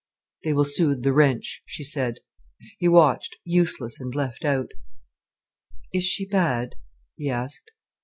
"They will soothe the wrench," she said. He watched, useless and left out. "Is she bad?" he asked.